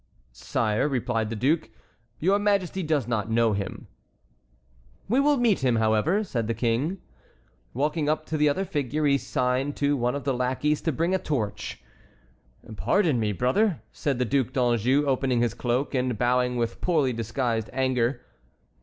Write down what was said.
"Sire," replied the duke, "your Majesty does not know him." "We will meet him, however," said the King. Walking up to the other figure, he signed to one of the lackeys to bring a torch. "Pardon me, brother!" said the Duc d'Anjou, opening his cloak and bowing with poorly disguised anger.